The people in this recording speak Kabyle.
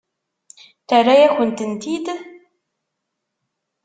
Terra-yak-tent-id?